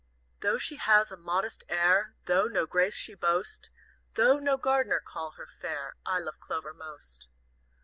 "Though she has a modest air, Though no grace she boast, Though no gardener call her fair, I love Clover most.